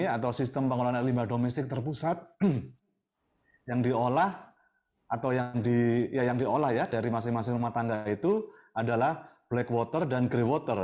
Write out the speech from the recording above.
storage system ini atau pengelolaan air limbah domestik terpusat yang diolah dari masing masing rumah tangga itu adalah black water dan grey water